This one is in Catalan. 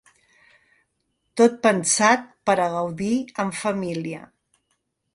Tot pensat per a gaudir amb família.